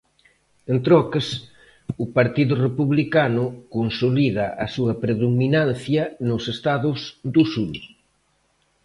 En troques, o Partido Republicano consolida a súa predominancia nos estados do Sur.